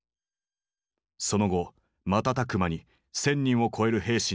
その後瞬く間に１，０００人を超える兵士に感染。